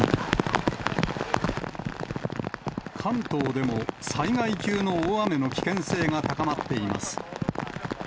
関東でも、災害級の大雨の危険性が高まっています。